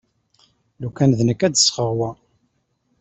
Lukan d nekk ad d-sɣeɣ wa.